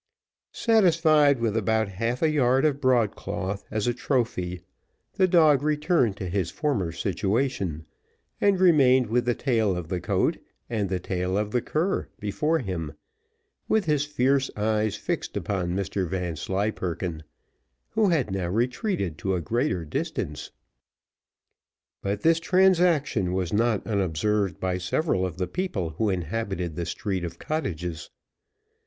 Satisfied with about half a yard of broadcloth as a trophy, the dog returned to his former situation, and remained with the tail of the coat and the tail of the cur before him, with his fierce eyes fixed upon Mr Vanslyperken, who had now retreated to a greater distance. But this transaction was not unobserved by several of the people who inhabited the street of cottages.